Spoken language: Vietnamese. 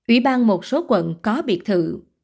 ủy ban một số quận có biệt thự